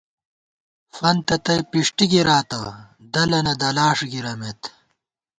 فنتہ تئ پِݭٹی گِراتہ ، دلَنہ دلاݭ گِرَمېت